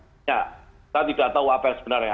saya tidak tahu apa yang sebenarnya